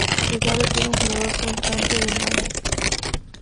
Se sabe que era un jugador constante de mahjong.